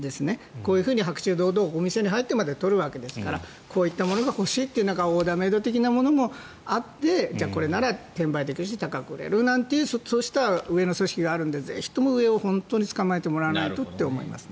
こういうふうに白昼堂々お店に入ってまで盗むわけですからこういったものが欲しいというのがオーダーメイド的なものもあってこれなら転売できるし高く売れるというそうした上の組織があるので上を捕まえてほしいと思いますね。